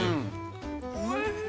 ◆おいしい。